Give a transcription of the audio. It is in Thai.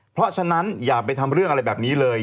เพราะฉะนั้นอย่าไปทำเรื่องอะไรแบบนี้เลย